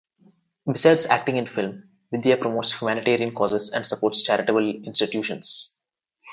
Besides acting in film, Vidya promotes humanitarian causes and supports charitable institutions.